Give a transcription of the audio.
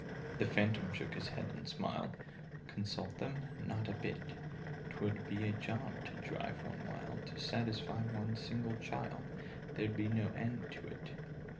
The Phantom shook his head and smiled. "Consult them? Not a bit! 'Twould be a job to drive one wild, To satisfy one single child— There'd be no end to it!"